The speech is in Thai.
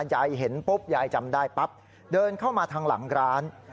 ยายเห็นปุ๊บยายจำได้ปั๊บเดินเข้ามาทางหลังร้าน